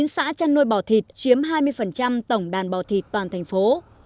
một mươi chín xã chăn nuôi bò thịt chiếm hai mươi tổng đàn bò thịt toàn thành phố